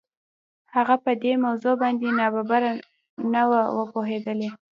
هغه په دې موضوع باندې ناببره نه و پوهېدلی.